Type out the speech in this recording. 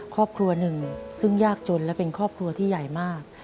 ครอบครัวหนึ่งซึ่งยากจนและเป็นครอบครัวที่ใหญ่มาก